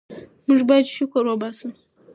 موږ باید شکر وباسو.